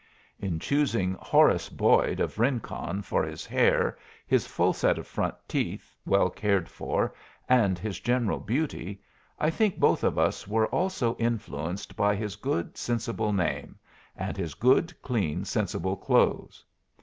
In choosing Horace Boyd, of Rincon, for his hair, his full set of front teeth well cared for, and his general beauty, I think both of us were also influenced by his good sensible name, and his good clean sensible clothes.